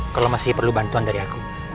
kalau masih perlu bantuan dari aku